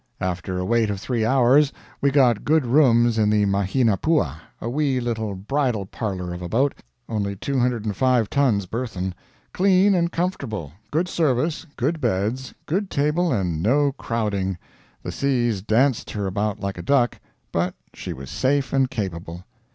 After a wait of three hours we got good rooms in the Mahinapua, a wee little bridal parlor of a boat only 205 tons burthen; clean and comfortable; good service; good beds; good table, and no crowding. The seas danced her about like a duck, but she was safe and capable.